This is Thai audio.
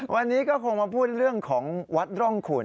วันนี้ก็คงมาพูดเรื่องของวัดร่องขุน